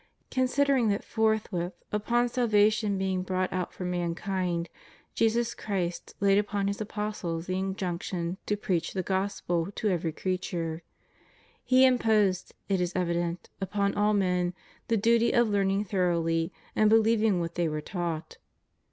Considering that forthwith upon salvation being brought out for mankind, Jesus Christ laid upon His apostles the injunction to preach the Gospel to every creature, He imposed, it is evident, upon all men the duty of learning thoroughly and believing what they were taught.